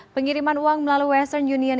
pengiriman uang melalui western union